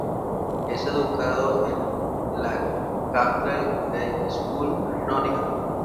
Es educado en la "Castle Gate School", Nottingham.